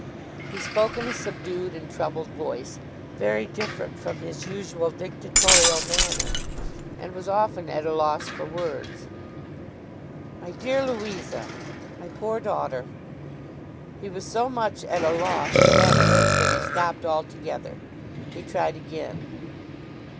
He spoke in a subdued and troubled voice, very different from his usual dictatorial manner; and was often at a loss for words. 'My dear Louisa. My poor daughter.' He was so much at a loss at that place, that he stopped altogether. He tried again.